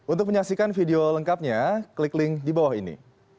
untuk menyaksikan video lengkapnya klik link di bawah ini